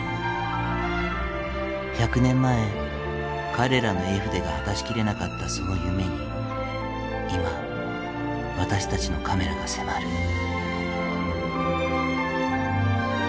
１００年前彼らの絵筆が果たしきれなかったその夢に今私たちのカメラが迫る。